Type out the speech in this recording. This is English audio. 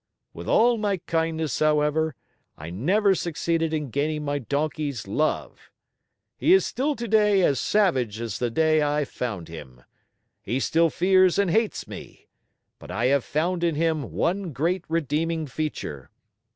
With all my kindness, however, I never succeeded in gaining my Donkey's love. He is still today as savage as the day I found him. He still fears and hates me. But I have found in him one great redeeming feature.